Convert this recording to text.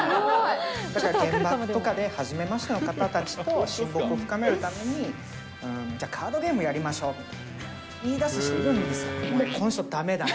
現場とかで、はじめましての方たちと親睦を深めるためにじゃあ、カードゲームやりましょうとか言いだす人いるんですよ。